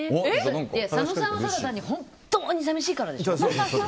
佐野さんは、ただ単に本当に寂しいからでしょ？